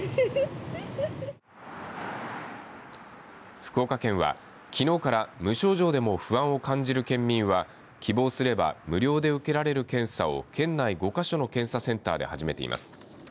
福岡県は、きのうから無症状でも不安を感じる県民は希望すれば無料で受けられる検査を県内５か所の検査センターで始めています。